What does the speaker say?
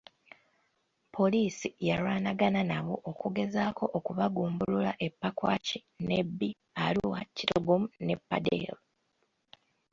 Poliisi yalwanagana nabo okugezaako okubagumbulula e Pakwach, Nebbi, Arua, Kitgum ne Pader.